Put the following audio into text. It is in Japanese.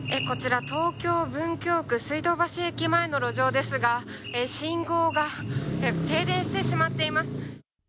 こちら東京・文京区水道橋駅前の路上ですが信号が停電してしまっています。